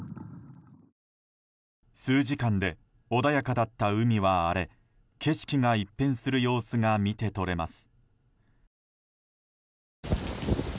数時間で穏やかだった海は荒れ景色が一変する様子が見て取れます。